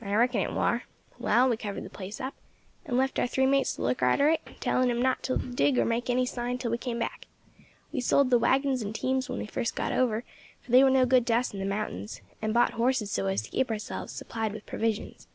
"I reckon it war. Well, we covered the place up, and left our three mates to look arter it, telling them not to dig or make any sign until we came back. We sold the waggons and teams when we first got over, for they were no good to us in the mountains, and bought horses so as to keep ourselves supplied with provisions.